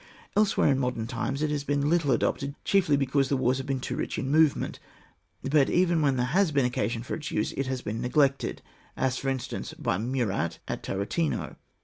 Elsewhere in moderti times, it has been little adopted, chiefly because the wars have been too rich in movement. But even when there has been occasion for its use it has been neglected, as for instance, by Murat, at Tarutino.